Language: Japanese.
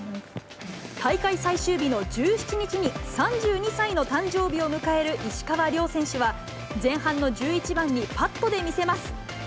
大会最終日の１７日に、３２歳の誕生日を迎える石川遼選手は、前半の１１番にパットで見せます。